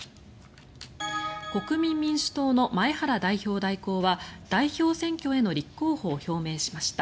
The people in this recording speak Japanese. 国民民主党の前原代表代行は代表選挙への立候補を表明しました。